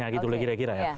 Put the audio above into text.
gitu lah kira kira ya